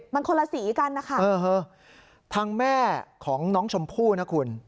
มันคนละสีกันนะคะทางแม่ของน้องชมพู่นะคุณ